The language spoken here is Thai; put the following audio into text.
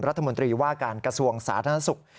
รัฐมนตรีว่าการกระทรวงสาธารณสุข